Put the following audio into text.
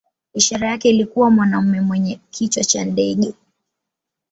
Ishara yake ilikuwa mwanamume mwenye kichwa cha ndege.